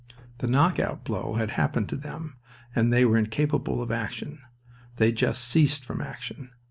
The "knock out blow" had happened to them, and they were incapable of action. They just ceased from action.